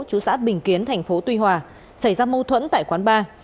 chú xã bình kiến tp tuy hòa xảy ra mâu thuẫn tại quán bar